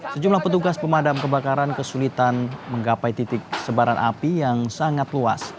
sejumlah petugas pemadam kebakaran kesulitan menggapai titik sebaran api yang sangat luas